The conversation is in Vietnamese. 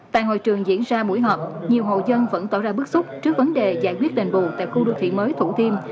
tại hội trường diễn ra buổi họp nhiều hội dân vẫn tỏ ra bức xúc trước vấn đề giải quyết đền bù tại khu đô thị mới thủ thiêm